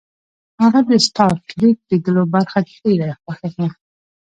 هغه د سټار ټریک لیدلو برخه ډیره خوښه کړه